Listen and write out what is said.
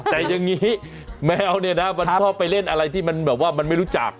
แต่ยังงี้แมวนิ้วนะมันหรือพอไปเล่นอะไรที่มันแบบว่ามันไม่รู้จัก